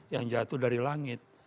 yang jatuh dari langit